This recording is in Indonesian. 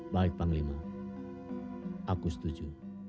baik panglima aku setuju